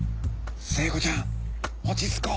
聖子ちゃん落ち着こう。